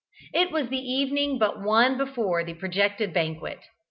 It was the evening but one before the projected banquet.